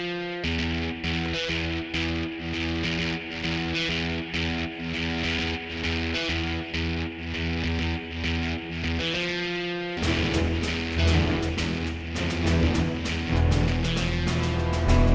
sebenarnya untuk menjadikan there's no homework